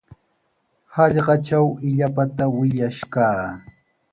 Hallqatraw illapata wiyash kaa.